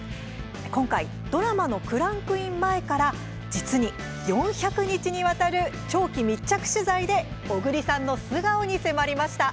今回ドラマのクランクイン前から実に４００日にわたる長期密着取材で小栗さんの素顔に迫りました。